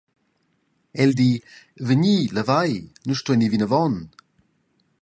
El di: «Vegni, levei, nus stuein ir vinavon!»